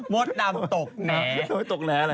มสดำตกแนะตกแนะอะไร